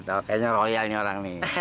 tau kayaknya royal nih orang nih